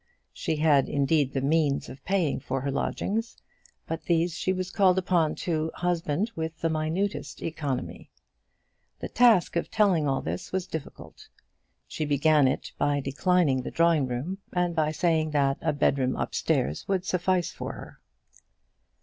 She had indeed the means of paying for her lodgings, but these she was called upon to husband with the minutest economy. The task of telling all this was difficult. She began it by declining the drawing room, and by saying that a bedroom upstairs would suffice for her.